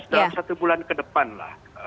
dalam satu bulan ke depan lah